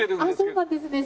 そうなんですね。